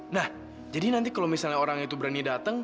nah jadi nanti kalo misalnya orang itu berani dateng